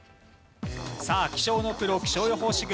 さあ気象のプロ気象予報士軍